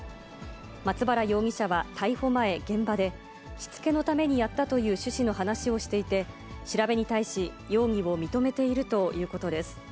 松原容疑者は逮捕前、現場で、しつけのためにやったという趣旨の話をしていて、調べに対し、容疑を認めているということです。